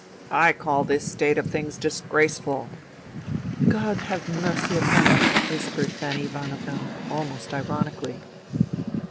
" I call this state of things disgraceful. " God have mercy upon us !'* whispered Fanny Ivanovna, almost ironically.